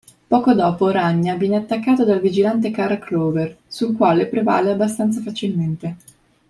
Poco dopo Ragna viene attaccato dal vigilante Carl Clover, sul quale prevale abbastanza facilmente.